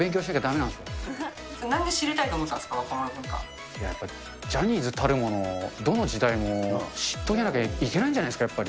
なんで知りたいんですか、やっぱ、ジャニーズたるもの、どの時代も知っておかなきゃいけないんじゃないですか、やっぱり。